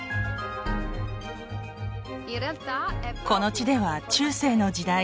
この地では中世の時代